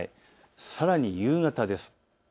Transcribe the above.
さらに夕方です。